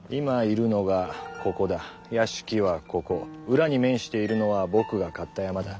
裏に面しているのは僕が買った山だ。